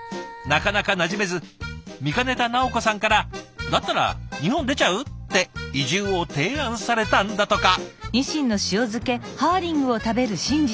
なかなかなじめず見かねた奈央子さんから「だったら日本出ちゃう？」って移住を提案されたんだとか。